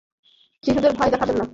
শিশুদের ভয় দেখাবেন না।